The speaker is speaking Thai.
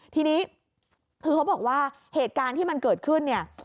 ทีนี้คือเขาบอกว่าเหตุการณ์ที่มันเกิดขึ้นเนี่ย